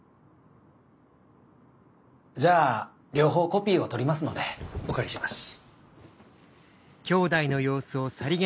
じゃあ両方コピーをとりますのでお借りします。